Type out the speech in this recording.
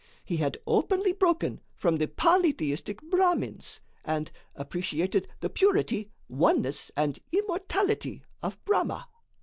He had openly broken from the polytheistic Brahmins, and appreciated the purity, oneness and immortality of Brahma.